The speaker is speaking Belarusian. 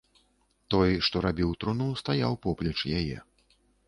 Той, што рабіў труну, стаяў поплеч яе.